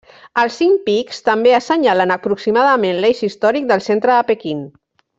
Els cinc pics també assenyalen aproximadament l'eix històric del centre de Pequín.